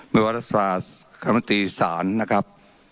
ไม่ว่ารัฐศาลกรรมนตรีศาลนะครับ